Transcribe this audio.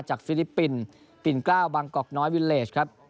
ฟิลิปปินส์ปิ่นเกล้าวบางกอกน้อยวิลเลสครับ